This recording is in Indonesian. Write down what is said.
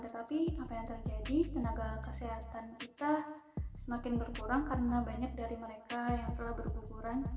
tetapi apa yang terjadi tenaga kesehatan kita semakin berkurang karena banyak dari mereka yang telah berkukuran